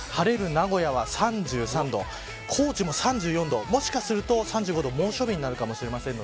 名古屋が３３度高知も３４度、もしかすると３５度、猛暑日になるかもしれません。